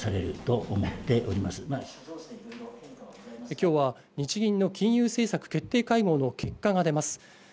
今日は日銀の金融政策決定会合の結果が出ます。